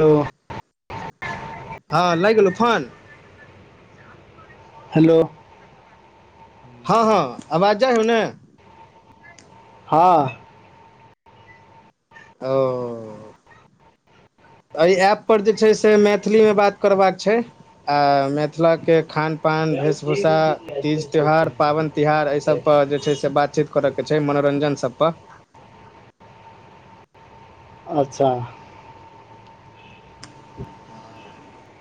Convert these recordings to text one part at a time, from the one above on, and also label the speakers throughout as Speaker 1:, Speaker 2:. Speaker 1: hello
Speaker 2: हँ लाइग गेलहु फोन
Speaker 1: हेलो
Speaker 2: हँ हँ आवाज जाए हौ ने
Speaker 1: हँ
Speaker 2: ओ एहि ऐप पर जे छै से मैथिली मे बात करबाक छै आ मिथिला के खान पान वेशभूषा तीज त्योहार पाबन तिहार एहि सब पर जे छै से बातचीत करय के छै मनोरंजन सब पर
Speaker 1: अच्छा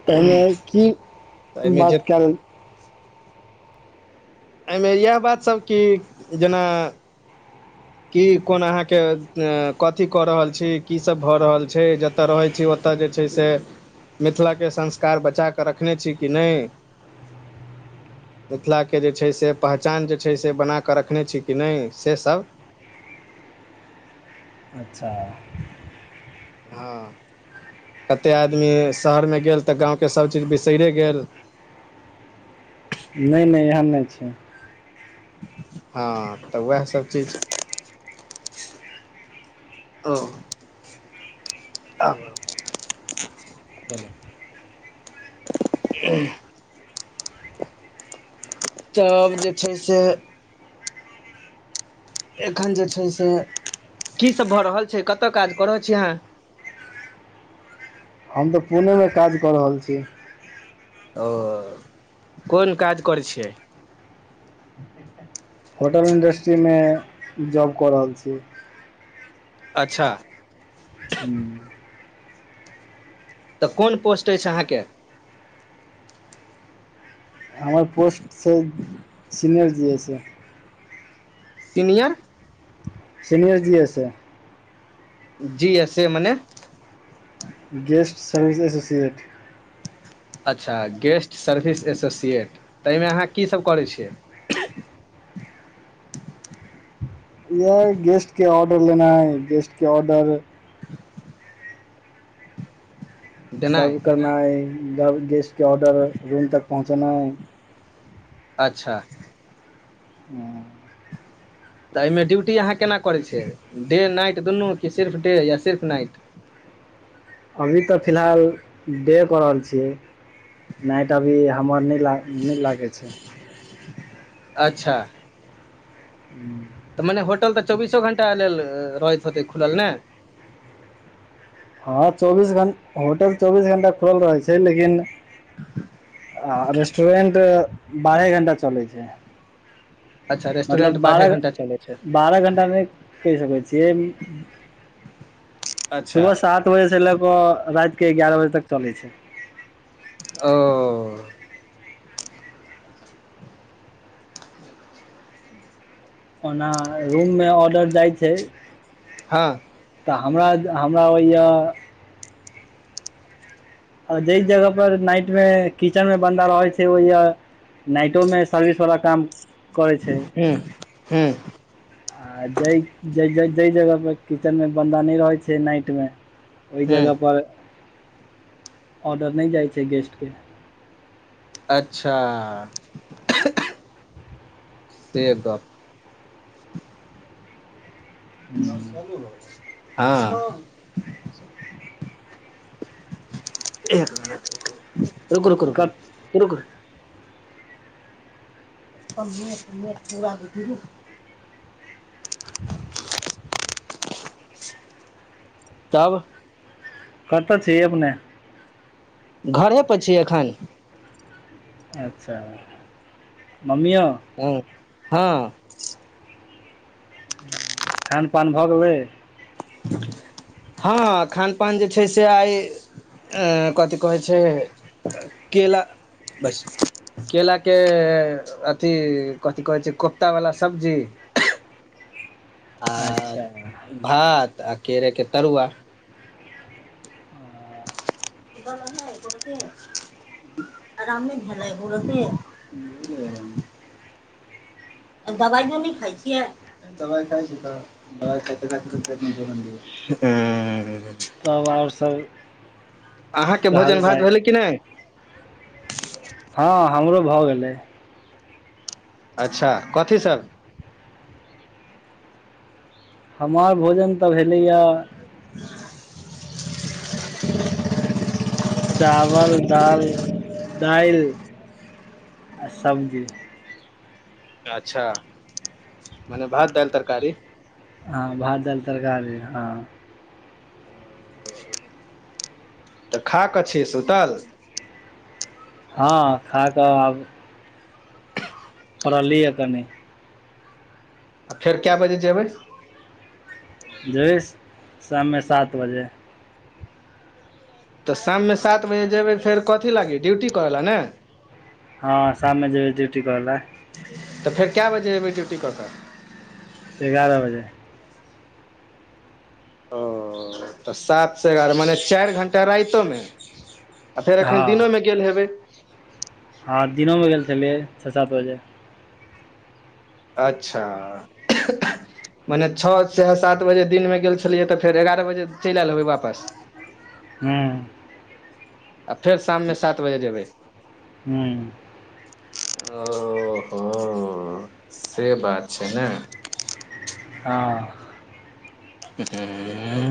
Speaker 1: तहिमे की
Speaker 2: तऽ एहिमे जे
Speaker 1: बात केल
Speaker 2: एहि मे इएह बात सभ कि जेना की कोन अहाँके कथी कऽ रहल छी कीसभ भऽ रहल छै रहै छी ओत जे छै से मिथिलाके संस्कार बचाकऽ रखने छी कि नहि मिथिलाके जे छै से पहचान जे छै से बना क रखने छी कि न से सब
Speaker 1: अच्छा
Speaker 2: हँ कते आदमी शहर मे गेल तँ गाँव के सबचीज बिसैरे गेल
Speaker 1: नहि नहि एहन नहि छै
Speaker 2: हँ तऽ उएह सभचीज ओ [unintelligible] आ [inaudible] तब जे छै से एखन जे छै से की सभ भऽ रहल छै कतय काज करए छी अहाँ
Speaker 1: हम तऽ पुणेमे काज कऽ रहल छी
Speaker 2: ओ कोन काज करै छियै
Speaker 1: [inaudible] होटल इंडस्ट्रीमे जॉब कऽ रहल छी
Speaker 2: अच्छा
Speaker 1: हूंम्म
Speaker 2: तऽ कोन पोस्ट अछि अहाँके
Speaker 1: हाय पोस्ट छै senior G S A
Speaker 2: senior
Speaker 1: senior GSA
Speaker 2: GSA मने
Speaker 1: गेस्ट सर्विस एसोसिएट
Speaker 2: अच्छा गेस्ट सर्विस एसोसिएट तऽ एहिमे अहाँ कीसभ करै छियै
Speaker 1: इह गेस्ट के ऑर्डर लेनाइ गेस्ट के ऑर्डर
Speaker 2: [inaudible]
Speaker 1: सर्व
Speaker 2: देनाइ
Speaker 1: करनाइ गेस्टके ऑर्डर रूम तक पहुँचेनाइ
Speaker 2: अच्छा
Speaker 1: हूंम्म
Speaker 2: तऽ एहिमे ड्यूटी अहाँ केना करै छियै डे नाइट दुनू कि सिर्फ डे या सिर्फ नाइट
Speaker 1: अभी तऽ फिलहाल डे प रहल छियै नाइट अभी हमर नै लाग नै लागै छै
Speaker 2: अच्छा
Speaker 1: हूंम्म
Speaker 2: त मने होटल तऽ चौबीसो घंटा लेल रहैत होेतै खुलल ने
Speaker 1: हँ चौबीस घंटा होटल चौबीस घंटा खुलल रहै छै लेकिन आ रेस्टोरेंट बारहे घंटा चलै छै
Speaker 2: अच्छा रेस्टोरेंट
Speaker 1: मतलब
Speaker 2: बारहे
Speaker 1: बारह
Speaker 2: घंटा चलै छै
Speaker 1: बारह घंटामे कहि सकै छीयै
Speaker 2: अच्छा
Speaker 1: सुबह सात सात बजे से ले कऽ रात के एगारह बजे तक चले छै
Speaker 2: ओ
Speaker 1: ओना रूम मे ऑर्डर जाइ छै
Speaker 2: हँ
Speaker 1: तऽ हमरा हमरा होइय
Speaker 2: ह [inaudible]
Speaker 1: आ जेहि जगह पर नाइट मे किचेन मे बन्दा रहै छै ओईय नाइटो में सर्विस वाला काम करै छै
Speaker 2: हें हें
Speaker 1: आ जहि जै जै जगह पर किचन मे बन्दा नै रहै छै नाइट मे ओई
Speaker 2: हूँ
Speaker 1: जगह पर ऑर्डर नै जाइ छै गेस्ट के
Speaker 2: अच्छाऽ से गप
Speaker 1: हूँ
Speaker 2: हँ ए रुकु रुकु रुकु
Speaker 1: क
Speaker 2: रुक प पूरा ब [unintelligible] तब
Speaker 1: कत छी अपने
Speaker 2: घरहो प छी अखन
Speaker 1: अच्छा मम्मियो
Speaker 2: ह हँ
Speaker 1: खान पान भ गेलै
Speaker 2: हँ खान पान जे छै से आय ऐं कथी कहै छै केला बैसु केलाके अथी कथि कहै छै कोफ्ता वला सब्जी आ
Speaker 1: अच्छा
Speaker 2: भात आ केरे के तरुआ
Speaker 1: आ,
Speaker 2: ग आरामे भेले से [unintelligible] [unintelligible] दबाइयो नहि खाइ छियै दबाई खाइ छै त दबाई खेते त अखनी तक पेट में जलन दिए
Speaker 1: तब आओर सब
Speaker 2: अहाँके
Speaker 1: कहल
Speaker 2: भोजन भात
Speaker 1: जाय
Speaker 2: भेलै कि नहि [unintelligible]
Speaker 1: हँ हमरो भऽ गेलै
Speaker 2: अच्छा कथी सब
Speaker 1: हमार भोजन तऽ भेलैये
Speaker 2: [unintelligible]
Speaker 1: चावल दाल दाइल आ सब्जी
Speaker 2: अच्छा माने भात दालि तरकारी
Speaker 1: हँ भात दाल तरकारी खेलऊॅं
Speaker 2: अचा [inaudible] तऽ खा कऽ छी सुतल
Speaker 1: हँ खा कऽ आब परलये से कनी
Speaker 2: आ फेर कए बजे जेबै
Speaker 1: जइबै शाममे सात बजे
Speaker 2: त शाम मे सात बजे जेबै फेर कथी लागि ड्यूटी करै लए ने
Speaker 1: हँ साम में जेबै डूटी करैले
Speaker 2: तऽ फेर क बजे अयबै ड्यूटी क के
Speaker 1: एगारह बजे
Speaker 2: ओ तऽ सात से एगारह मने चारि घण्टा राइतो में आ फेर एखन दिनो
Speaker 1: हँ
Speaker 2: में गेल हेबै
Speaker 1: हँ दिनोमे गेल छेलै छ, सात बजे
Speaker 2: अच्छा मने छ चाहे सात बजे दिनमे गेल छलियै तऽ फेर एगारह बजे चलि आयल हेबै वापस
Speaker 1: हूँ
Speaker 2: आ फेर शाममे सात बजे जेबै
Speaker 1: ह्म
Speaker 2: ओहो से बात छै ने
Speaker 1: हँ
Speaker 2: एहै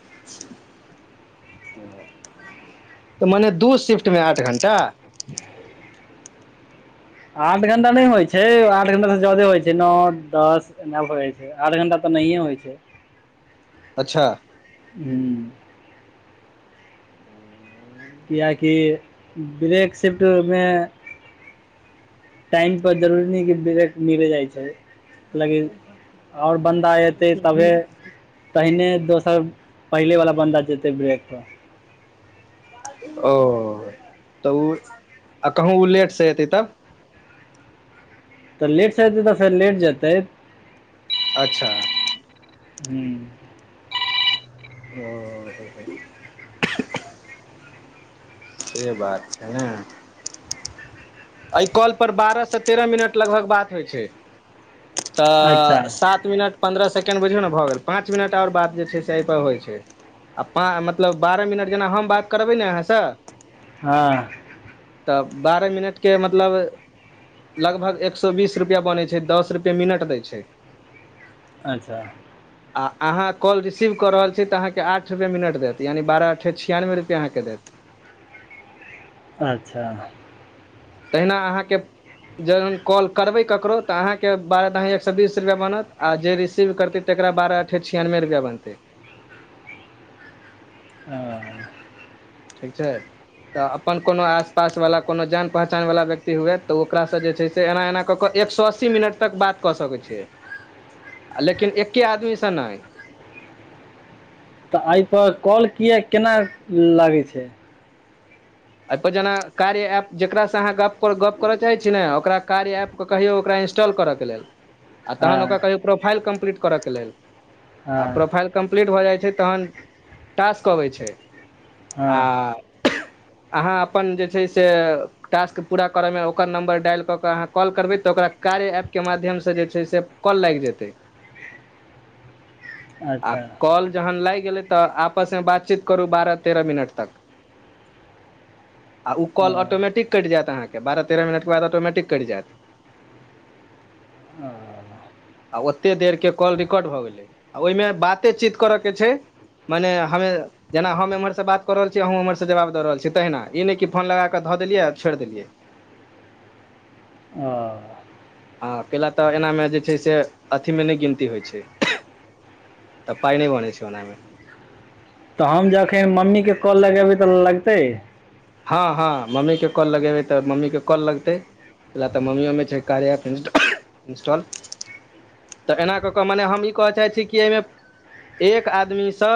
Speaker 2: [inaudible]
Speaker 1: ह [inaudible] [inaudible]
Speaker 2: तऽ मने दू शिफ्ट मे आठ घण्टा
Speaker 1: आठ घंटा नहि होइ छै आठ घंटा से जदे होइ छै नओ दस एना भ जैछै आठ घंटा तऽ नहियए होइ छै
Speaker 2: अच्छा
Speaker 1: हू किएकि ब्रेक शिफ्टमे टाइम पर जरूरी नै कि मिले जाइ छै लेकिन आओर बन्दा एतै तबे पहिने दोसर पहिले वाला बन्दा जेते ब्रेक पर
Speaker 2: ओ तऽ ओ आ कहूँ ओ लेट से एतै तब
Speaker 1: तऽ लेट सँ एतै तऽ लेट जतै
Speaker 2: अच्छा
Speaker 1: हू
Speaker 2: ओ से बात छै ने एहि कॉलपर बारह सँ तेरह मिनट लगभग बात होइ छै
Speaker 1: अच्छा
Speaker 2: तऽ सात मिनट पन्द्रह सेकेण्ड बुझियौ ने भऽ गेल पाँच मिनट आओर बात जे छै से होइ छै आ प मतलब बारह मिनट जेना हम बात करबै ने अहाँसँ
Speaker 1: हँ
Speaker 2: तब बारह मिनट के मतलब लगभग एक सौ बीस रुपैआ बनै छै दस रुपैआ मिनट दै छै
Speaker 1: अच्छा
Speaker 2: [inaudible] आ अहाँ कॉल रिसीव कऽ रहल छी तऽ अहाँके आठ रुैे मिनट देत यानि बारह आठे छियानबे रुपैए अहाँके देत
Speaker 1: अच्छा
Speaker 2: तहिना अहाँके जहन कॉल करबै ककरो तऽ अहाँके बारह दहाइ एक सए बीस रुपैआ बनत आ जे रिसीव करतै तेकरा बारह अठ्ठे छियानबे रुपआ बनतै
Speaker 1: अ
Speaker 2: ठीक छै तऽ अपन कोनो आस पास वाला कोनो जान पहचान वाला व्यक्ति हुए तऽ ओकरा सँ जे छै ते एना एना कऽ कऽ एक सए अस्सी मिनट तक बात कऽ सकैत छै लेकिन एक्के आदमी स नहि
Speaker 1: तऽ एहि पर कॉल किए केना लागे छै
Speaker 2: एहि पर जेना कार्य एऐप जेकास से अहाँ ग गप करय चाह छीयने ओकरा कार्य एऐप कहियौ ओकरा इंस्टॉल करऽके लेल आ
Speaker 1: हँ
Speaker 2: तहन ओकरा कहियौ प्रोफाइल कंम्प्लीट करऽ के लेल
Speaker 1: हँ
Speaker 2: आ प्रोफाइल कम्प्लीट भऽ जाइ छै तहन टास्क अबै छै
Speaker 1: हँ
Speaker 2: आ अहाँ अपन जे छै से टास्क पूरा करयमे ओकर नम्बर डायल कऽ कऽ अहाँ कॉल करबै तऽ ओकरा कार्य एप माध्यमसँ जे छै से कॉल लागि जेतै आ
Speaker 1: अच्छा
Speaker 2: कॉल जहन लगि गेलै तऽ आपसमे बातचीत करू बारह तेरह मिनट तक आ ऊ
Speaker 1: ओ
Speaker 2: काॅल ऑटोमैटिक कटि जायत अहाके बारह तेरह मिनट बाद ऑटोमैटिक कटि जायत
Speaker 1: ओ
Speaker 2: आ ओते देर के कॉल रिकॉर्ड भऽ गेलै आ ओहिमे बाते चीत करय के छै मने हमे जेना हम एम्हरसँ बात क रहल छी अहूँ उम्हरसँ जबाब द रहल छी तहिना ई नै कि फोन लगा कऽ धऽ देलियै आ छोड़ि देलियै
Speaker 1: आ
Speaker 2: हँ कैला तऽ एनामे जे छै से अथीमे नै गिनती होइत छै तऽ पाइ नै बनै छै ओना मे
Speaker 1: तऽ हम जखै मम्मी के कॉल लगेबै तऽ लगतै
Speaker 2: हँ हँ मम्मी के कॉल लगेबै तऽ मम्मीके कॉल लगतै कै ले तऽ मम्मियो मे छै कार्या एप इन् इन्स्टॉल तऽ एना कऽ कऽ मने हम ई कहय चाहै छी कि एहिमे एक आदमीसँ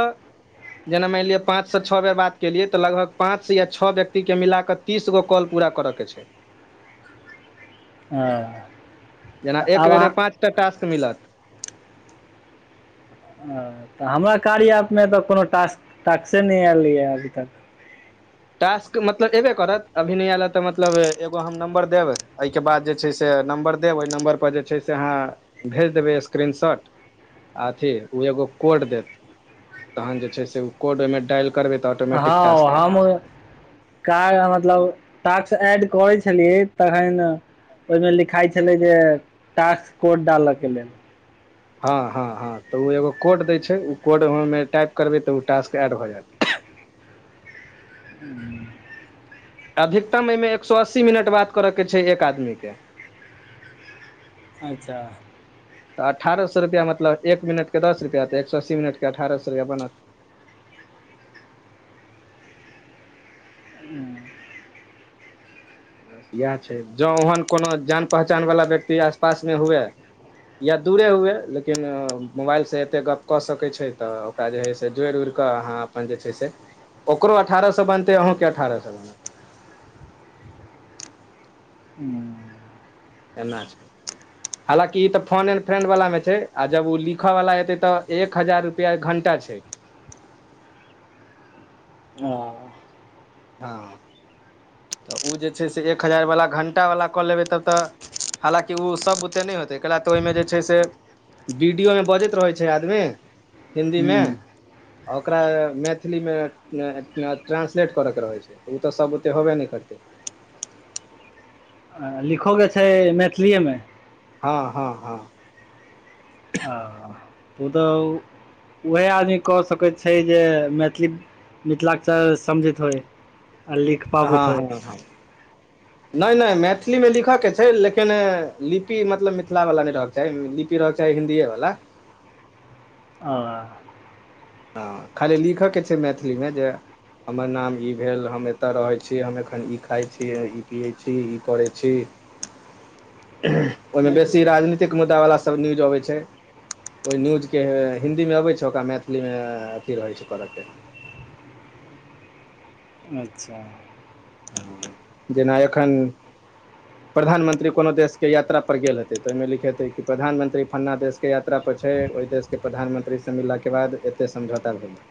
Speaker 2: जेना मानि लिअ पाँच सँ छ बेर बात केलियै तऽ लगभग पाँच से य छ व्यक्ति के मिलाकऽ तीसगो कॉल पूरा करऽ के छै
Speaker 1: हां
Speaker 2: जेना एक बेरे पाँच टा टास्क मिलत
Speaker 1: ह तऽ हमरा कार्या ऐप मे तऽ कोनोटास टास्के नै एलैया अभी तक
Speaker 2: टास्क मतलब एबे करत अभी न एयले तऽ मतलब एगो हम नम्बर देब तै के बाद जे छै से नम्बर देव ओई नम्बर पर जे छै से अहाँ भेज देबै स्क्रीन शॉट आ अथी ओ एगो कोड देत तहन जे छै से ओ कोड ओईमे डायल करबै तऽ ऑटोमेटिक
Speaker 1: हँ
Speaker 2: टास्क एड
Speaker 1: हम
Speaker 2: भऽ जायत
Speaker 1: क म [unintelligible] तलब टास्क एऐड करै छलियै तखन ओईमे लिखाई छलै जे टास्क कोड डालऽ के लेल
Speaker 2: हँ हँ हँ तऽ ओ एगो कोड दै छै ओ कोडमे टाइप करबै तऽ ओ टास्क ऐड भऽ जायत
Speaker 1: ह
Speaker 2: अधिकतम एहिमे एक सो अस्सी मिनट बात करय के छै एक आदमी के
Speaker 1: अच्छा
Speaker 2: तऽ अठारह सो रुपैआ मतलब एक मिनट के दस रुपैआ तऽ एक सो अस्सी मिनट के अठार सो रुपया बनत
Speaker 1: ह [inaudible]
Speaker 2: बस इएह छै जौं ओहन कोनो जान पहचान वला व्यक्ति आस पास मे हुए या दूरे हुए लेकिन मोबाइल से एते गप्प क सकै छै तऽ ओ जे छै से जोड़ि उ्इड़िकऽ अहाँ अपन जे छै से ओकरो अठारह सो बनतै अहूँकेँ अठारह सो बनत
Speaker 1: हूँ
Speaker 2: एना छै हलााँकि ई तऽ फोन एंड फ्रेंड वाल्ला मे छै आ जब ओ लिखय वला एतै तऽ एक हजार रुपआ घंटा छै
Speaker 1: हं
Speaker 2: हँ तऽ ओ जे छै से एक हजार वला घण्टा वला कऽ लेबै तब तऽ हलाकि ओसभ बुते नै होतै कैल तऽ ओईमे जे छै से वीडियो मे बजैत रहै छै आदमी हिन्दी मे ओकरा मैथिली मे ट्रांसलेट करऽके रहै छै उ तऽ सब बुते होबे नै करतै
Speaker 1: आ लिखोे के छै मैथिलीएमे
Speaker 2: हँ हँ हँ
Speaker 1: हं हं ओतू उएहे आदमी कऽ सकैत छै जे मैथिली मिथिलाकक्षर समझैत होइ आ लिख
Speaker 2: हँ हँ हँ नै नै मैथिली मे लिखऽ के छै लेकिन लिपि मतलब मिथिला वला नै रहऽ क चाही लिपि रहो चाहे हिन्दीए वाला
Speaker 1: हां
Speaker 2: हँ खाली लिखअ के छै मैथिलीमे जे हमर नाम ई भेल हम एतऽ रहै छी हम एखन ई खाइ छी ई पियै छी ई करै छी ओहिमे बेसी राजनीतिक मुद्दा वला सब न्यूज अबै छै ओहि न्यूज के हिंन्दी मे अबै छै ओकरा मैथिली मे अथी रहै छै कर के
Speaker 1: अच्छा
Speaker 2: जेना एखन प्रधानमंत्री कोनो देशके यात्रा पर गेल हतै तऽ ओहिमे लिखेतै कि प्रधानमंत्री फलना देश के यात्रा पर छै ओहि देशके प्रधानमंत्री सँ मिलला के बाद एते समझौता भेलै